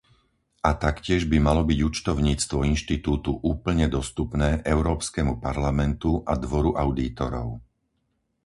A taktiež by malo byť účtovníctvo inštitútu úplne dostupné Európskemu parlamentu a Dvoru audítorov.